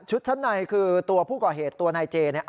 ชั้นในคือตัวผู้ก่อเหตุตัวนายเจเนี่ย